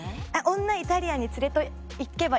女はイタリアンに連れていけばい